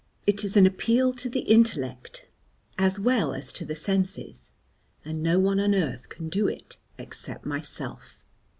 It is an appeal to the intellect, as well as to the senses, and no one on earth can do it except myself.